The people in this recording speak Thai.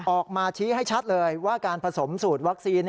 ออกมาชี้ให้ชัดเลยว่าการผสมสูตรวัคซีน